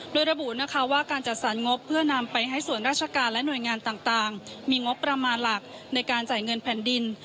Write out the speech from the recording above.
โดยระบุนะคะว่าการจัดสรรงบเพื่อนำไปให้ส่วนราชการและหน่วยงานต่างมีงบประมาณหลักในการจ่ายเงินแผ่นดิน